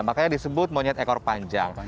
makanya disebut monyet ekor panjang